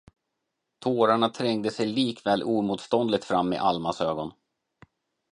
Tårarna trängde sig likväl oemotståndligt fram i Almas ögon.